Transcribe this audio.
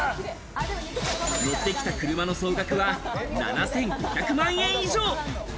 乗ってきた車の総額は７５００万円以上。